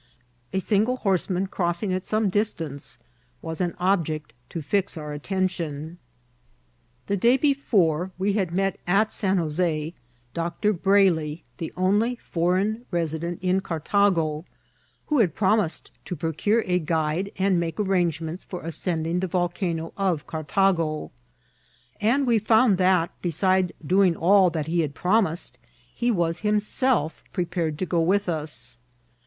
A single horseman crossing at some distance was an object to fix our attention. The day before we had met at San Jos6 Dr. Brayley, the only foreign resident in Cartago, who had promised to procure a guide, and make arrangements for ascend ing the Volcano of Cartago ; and we fcmnd that, besides doing all that he had promised, he was himself jNrepared to go with us.